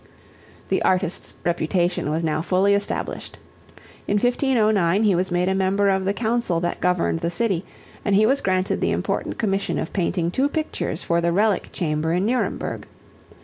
The artist's reputation was now fully established. In 1509, he was made a member of the Council that governed the city and he was granted the important commission of painting two pictures for the relic chamber in Nuremberg.